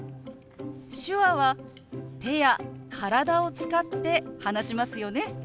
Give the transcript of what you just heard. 手話は手や体を使って話しますよね。